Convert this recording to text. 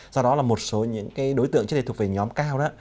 do đó là một số những đối tượng trên đây thuộc về nhóm cao đó